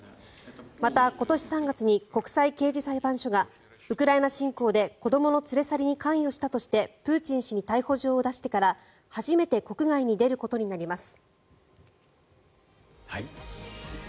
また、今年３月に国際刑事裁判所がウクライナ侵攻で子どもの連れ去りに関与したとしてプーチン氏に逮捕状を出してから初めて国外に出ることになります。